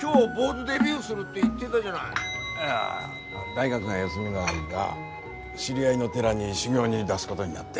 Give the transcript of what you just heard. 大学が休みの間知り合いの寺に修行に出すごどになって。